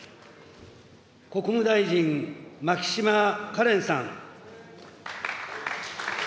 国務大臣、牧島かれんさん。